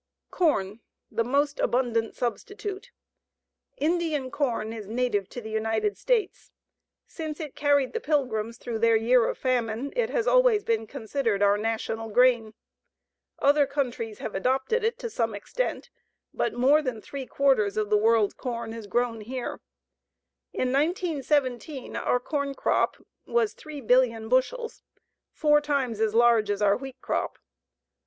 Corn, the most abundant substitute. Indian corn is native to the United States. Since it carried the Pilgrims through their year of famine, it has always been considered our national grain. Other countries have adopted it to some extent, but more than three quarters of the world's corn is grown here. In 1917 our corn crop was 3,000,000,000 bushels, four times as large as our wheat crop.